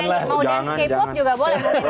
mau dance k pop juga boleh